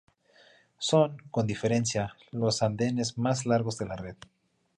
Son, con diferencia, los andenes más largos de la red.